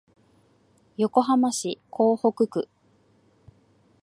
横浜市港北区